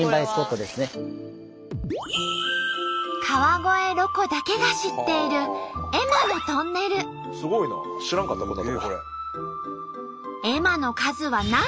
川越ロコだけが知っているすごいな。